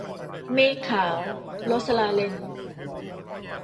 เมฆขาว - โรสลาเรน